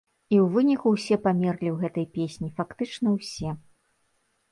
І ў выніку ўсе памерлі ў гэтай песні, фактычна ўсе.